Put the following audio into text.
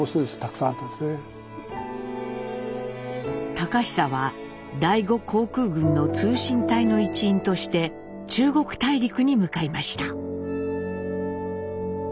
隆久は第五航空軍の通信隊の一員として中国大陸に向かいました。